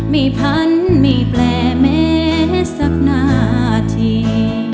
มีพันมีแปลแม่สักนาที